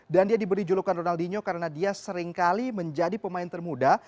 dan dia diberi julukan ronaldinho karena dia seringkali menjadi pemain termuda